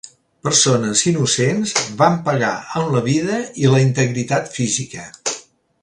Persones innocents van pagar amb la vida i la integritat física.